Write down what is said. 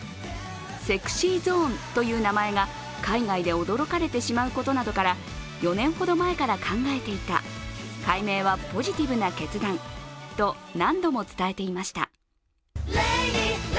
ＳｅｘｙＺｏｎｅという名前が海外で驚かれてしまうことなどから、４年ほど前から考えていた、改名はポジティブな決断と何度も伝えていました。